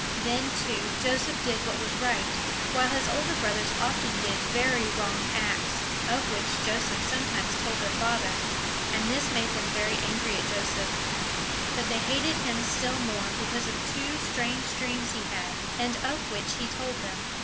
Then, too, Joseph did what was right, while his older brothers often did very wrong acts, of which Joseph sometimes told their father; and this made them very angry at Joseph. But they hated him still more because of two strange dreams he had, and of which he told them.